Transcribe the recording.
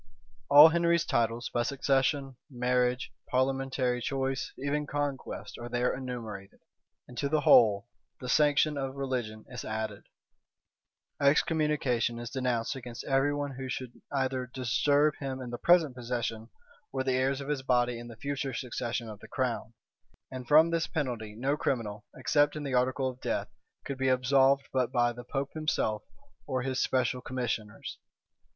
All Henry's titles, by succession, marriage, parliamentary choice, even conquest, are there enumerated; and to the whole the sanction of religion is added; excommunication is denounced against every one who should either disturb him in the present possession, or the heirs of his body in the future succession of the crown; and from this penalty no criminal, except in the article of death, could be absolved but by the pope himself, or his special commissioners.